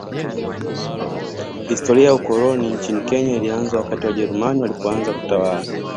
Historia ya ukoloni nchini Kenya ilianza wakati Wajerumani walipoanza kutawala